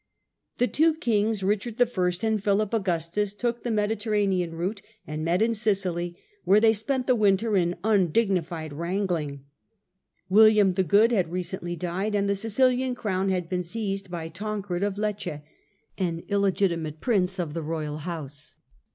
The two kings, Pdchard I. The and Philip Augustus, took the Mediterranean route and English . n . I 1 1 . .1 •.^^ n 1 and French met in Sicily, where they spent the winter m undignmed SicuV'^ wrangling. William the Good had recently died, and the Sicilian crown had been seized by Tancred of Lecce, an illegitimate prince of the royal house.